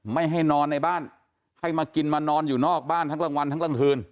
ไม่ให้นอนในบ้านให้มากินมานอนอยู่นอกบ้านทั้งกลางวันทั้งกลางคืน